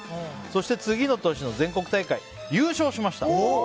そして、次の年の全国大会優勝しました！